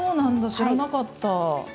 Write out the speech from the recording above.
知らなかった。